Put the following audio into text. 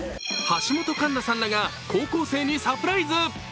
橋本環奈さんらが高校生にサプライズ。